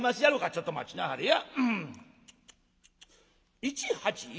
「ちょっと待ちなはれや。